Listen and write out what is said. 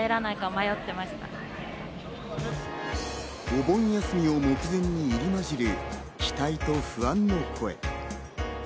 お盆休みを目前に入りまじる期待と不安の声。